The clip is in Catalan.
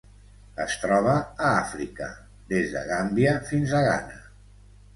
Es troba a Àfrica: des de Gàmbia fins a Ghana.